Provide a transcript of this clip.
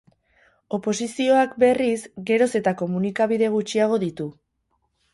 Oposizioak, berriz, geroz eta komunikabide gutxiago ditu.